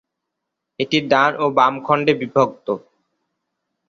এটি ডান ও বাম খণ্ডে বিভক্ত।